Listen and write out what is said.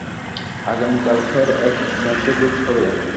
আগামী কাল ফের এক নৈশভোজ হবে।